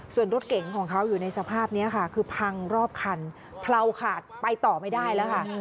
ส่วนรถเก่งของเขาอยู่ในสภาพนี้ค่ะคือพังรอบคันเพราขาดไปต่อไม่ได้แล้วค่ะ